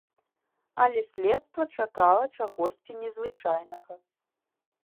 Але следства чакала чагосьці незвычайнага.